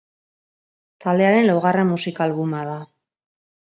Taldearen laugarren musika albuma da.